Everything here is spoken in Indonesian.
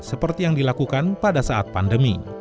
seperti yang dilakukan pada saat pandemi